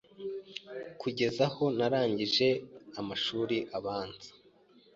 kugeza aho narangije amashuri abanza,